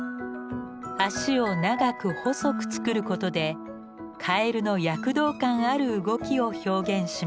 足を長く細く作ることでカエルの躍動感ある動きを表現します。